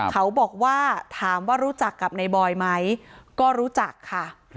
เขาบอกว่าถามว่ารู้จักกับในบอยไหมก็รู้จักค่ะ